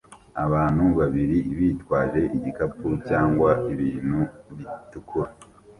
Abantu babiri bitwaje igikapu cyangwa ibintu bitukura